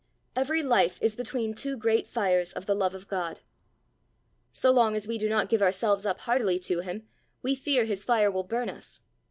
Every life is between two great fires of the love of God. So long as we do not give ourselves up heartily to him, we fear his fire will burn us.